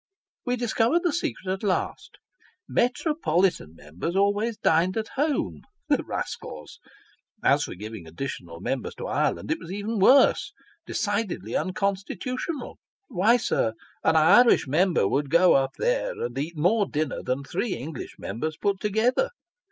We discovered the secret at last ; the metropolitan Members always dined at home. The rascals ! As for giving additional Members to Ireland, it was even worse decidedly unconstitutional. Why, sir, an Irish Member would go up there, and eat more dinner than three English Members put together.